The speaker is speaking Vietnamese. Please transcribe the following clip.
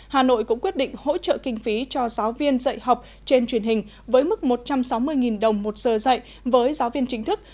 hà nội cũng quyết định hỗ trợ kinh phí cho giáo viên dạy học trên truyền hình với mức một trăm sáu mươi đồng một giờ dạy với giáo viên chính thức